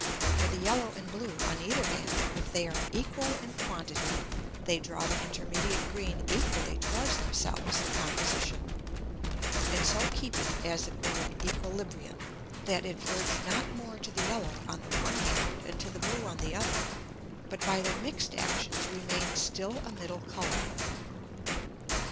For the yellow and blue on either hand, if they are equal in quantity they draw the intermediate green equally towards themselves in Composition, and so keep it as it were in Æquilibrion, that it verge not more to the yellow on the one hand, and to the blue on the other, but by their mix'd Actions remain still a middle Colour.